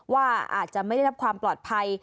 ว่าอาจจะไม่ได้รับความปลอดภัย